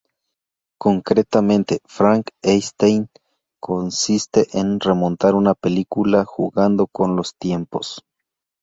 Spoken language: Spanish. Concretamente, "Frank Stein" consiste en remontar una película jugando con los tiempos.